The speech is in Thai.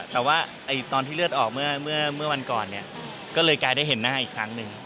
แต่ว่าตอนที่เลือดออกเมื่อวันก่อนเนี่ยก็เลยกลายได้เห็นหน้าอีกครั้งหนึ่ง